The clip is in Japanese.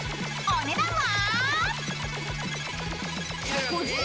［お値段は？］